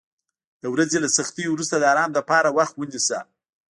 د ورځې له سختیو وروسته د آرام لپاره وخت ونیسه.